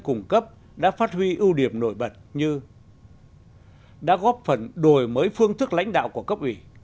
ưu điểm nổi bật như đã góp phần đổi mới phương thức lãnh đạo của cấp ủy